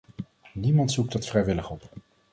Niemand zoekt dat vrijwillig op.